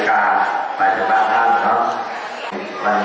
การพุทธศักดาลัยเป็นภูมิหลายการพุทธศักดาลัยเป็นภูมิหลาย